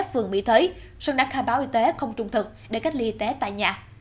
phường mỹ thới sơn đã khai báo y tế không trung thực để cách ly y tế tại nhà